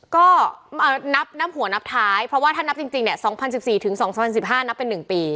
ก็นับหัวนับท้ายเพราะว่าถ้านับจริงเนี่ย๒๐๑๔ถึง๒๐๑๕นับเป็น๑ปี